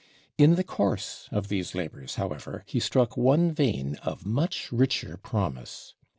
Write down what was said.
In the course of these labors, however, he struck one vein of much richer promise.